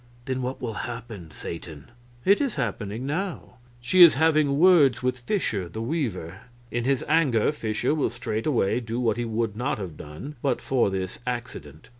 "Then what will happen, Satan?" "It is happening now. She is having words with Fischer, the weaver. In his anger Fischer will straightway do what he would not have done but for this accident.